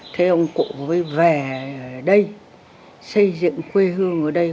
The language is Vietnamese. thế ông cụ mới về đây xây dựng quê hương ở đây